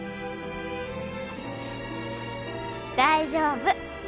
大丈夫。